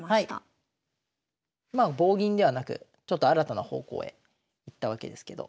まあ棒銀ではなくちょっと新たな方向へいったわけですけど。